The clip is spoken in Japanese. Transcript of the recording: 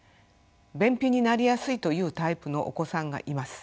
便秘になりやすいというタイプのお子さんがいます。